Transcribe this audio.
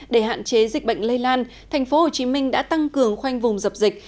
để hạn chế dịch bệnh lây lan thành phố hồ chí minh đã tăng cường khoanh vùng dập dịch